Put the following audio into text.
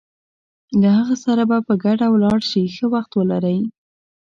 له هغه سره به په ګډه ولاړ شې، ښه وخت ولرئ.